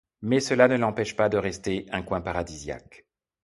Mais cela ne l'empêche pas de rester un coin paradisiaque.